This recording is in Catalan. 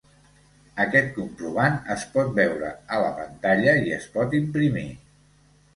Aquest comprovant es pot veure a la pantalla i es pot imprimir.